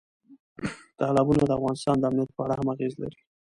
تالابونه د افغانستان د امنیت په اړه هم اغېز لري.